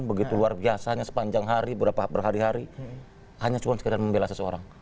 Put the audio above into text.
begitu luar biasanya sepanjang hari berapa berhari hari hanya cuman sekadar membela seseorang